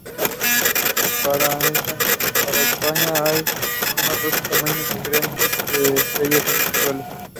Para España hay unos doce tamaños diferentes en sellos individuales.